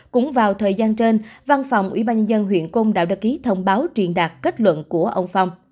cũng vào thời gian trên văn phòng ủy ban nhân dân huyện công đảo đắc ký thông báo truyền đạt kết luận của ông phong